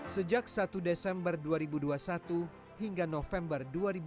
sejak satu desember dua ribu dua puluh satu hingga november dua ribu dua puluh